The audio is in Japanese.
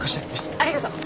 ありがと。